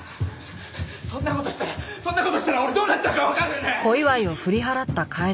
そんな事したらそんな事したら俺どうなっちゃうかわかる！？